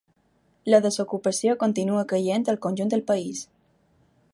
La desocupació continua caient al conjunt del país.